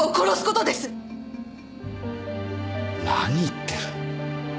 何言ってる。